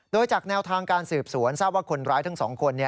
โดยจากแนวทางการสืบสวนทราบว่าคนร้ายทั้ง๒คน